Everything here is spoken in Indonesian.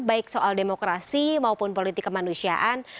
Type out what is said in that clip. baik soal demokrasi maupun politik kemanusiaan